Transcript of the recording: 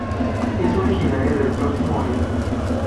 Es originaria del Próximo Oriente.